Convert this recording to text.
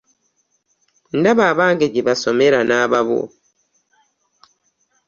Ndaba abange gye basomera n'ababo.